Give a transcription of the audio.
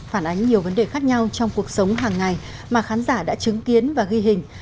phản ánh nhiều vấn đề khác nhau trong cuộc sống hàng ngày mà khán giả đã chứng kiến và ghi hình